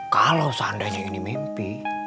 kalau seandainya ini mimpi